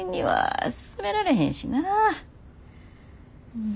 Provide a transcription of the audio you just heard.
うん。